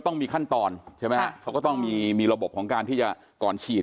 ต้องมีขั้นตอนใช่ไหมฮะเขาก็ต้องมีระบบของการที่จะก่อนฉีด